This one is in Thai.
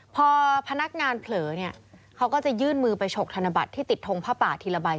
พอพนักงานเผลอเนี่ยเขาก็จะยื่นมือไปฉกธนบัตรที่ติดทงผ้าป่าทีละใบ